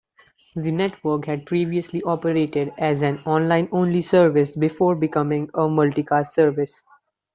The network had previously operated as an online-only service before becoming a multicast service.